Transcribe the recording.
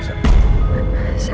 saya terpaksa al